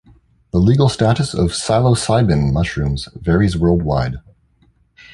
The legal status of psilocybin mushrooms varies worldwide.